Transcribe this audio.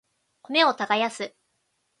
米を耕す